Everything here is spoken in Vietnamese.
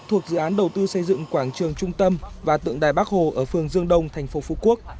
thuộc dự án đầu tư xây dựng quảng trường trung tâm và tượng đài bắc hồ ở phường dương đông thành phố phú quốc